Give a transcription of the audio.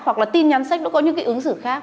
hoặc là tin nhắn sách nó có những cái ứng xử khác